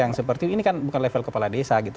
yang seperti ini kan bukan level kepala desa gitu